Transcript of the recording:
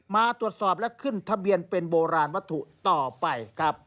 มาตรวจสอบและขึ้นทะเบียนเป็นโบราณวัตถุต่อไปครับ